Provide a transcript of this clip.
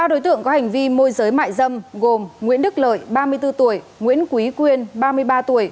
ba đối tượng có hành vi môi giới mại dâm gồm nguyễn đức lợi ba mươi bốn tuổi nguyễn quý quyên ba mươi ba tuổi